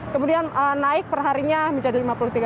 kemudian naik perharinya menjadi lima puluh tiga